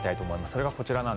それがこちら。